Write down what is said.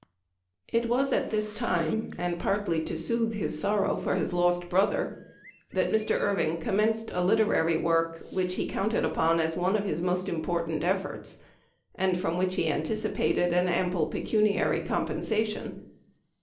It was at this time, and partly to soothe his sorrow for his lost brother, that Mr. Irving com menced a literary work which he counted upon as one of his most important efforts, and from which he anticipated an ample pecuniary com pensation.